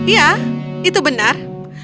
ya itu benar